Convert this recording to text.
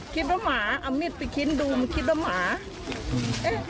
คิดว่าหมาเอามีดไปคิ้นดูมันคิดว่าหมาเอ๊ะ